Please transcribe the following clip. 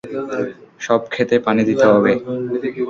সব ক্ষেতে পানি দিতে হবে।